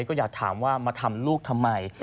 ก็อยากถามว่ามาทำลูกทำไม